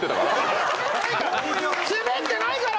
スベってないから！